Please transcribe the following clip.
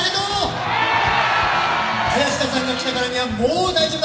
林田さんが来たからにはもう大丈夫だ！